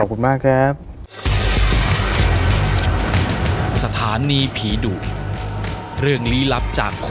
ขอบคุณมากครับ